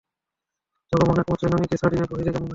জগমোহন এক মুহূর্ত ননিকে ছাড়িয়া বাহিরে যান না।